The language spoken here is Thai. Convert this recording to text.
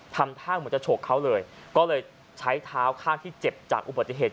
ทำท่าเหมือนจะฉกเขาเลยก็เลยใช้เท้าข้างที่เจ็บจากอุบัติเหตุ